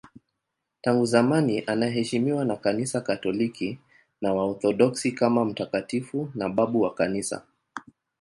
Tangu zamani anaheshimiwa na Kanisa Katoliki na Waorthodoksi kama mtakatifu na babu wa Kanisa.